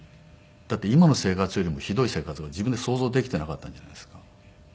だって今の生活よりもひどい生活が自分で想像できてなかったんじゃないですか。